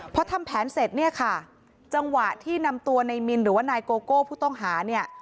พอทำแผนเสร็จเนี่ยค่ะจังหวะที่นำตัวในมินหรือว่านายโกโก้ผู้ต้องหาเนี่ย